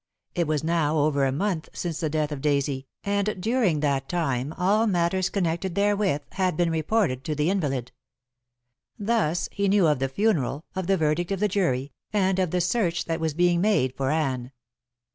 It was now over a month since the death of Daisy, and during that time all matters connected therewith had been reported to the invalid. Thus he knew of the funeral, of the verdict of the jury, and of the search that was being made for Anne.